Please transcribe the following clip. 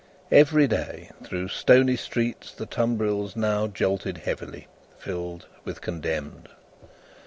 Every day, through the stony streets, the tumbrils now jolted heavily, filled with Condemned.